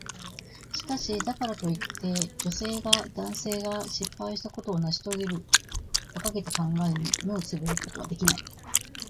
しかし、だからといって、女性が男性が失敗したことを成し遂げるという馬鹿げた考えに目をつぶることはできない。